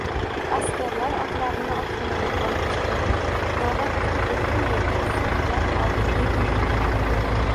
Askarlar otlarini otxonadan olib chiqib, navbat kutib o`tirmay ur-sur bilan oldinga intildilar